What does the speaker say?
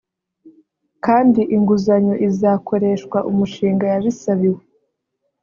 kandi inguzanyo ikazakoreshwa umushinga yasabiwe